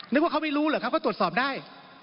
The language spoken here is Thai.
นึกว่าเขาไม่รู้เหรอครับเขาตรวจสอบได้